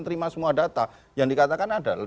terima semua data yang dikatakan adalah